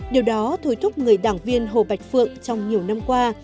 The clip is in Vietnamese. điều đó thôi thúc người đảng viên hồ bạch phượng trong nhiều năm qua